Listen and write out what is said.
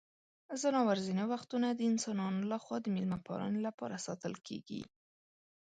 ځناور ځینې وختونه د انسانانو لخوا د مېلمه پالنې لپاره ساتل کیږي.